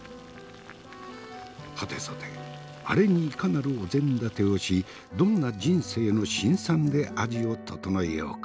はてさてアレにいかなるお膳立てをしどんな人生の辛酸で味を調えようか。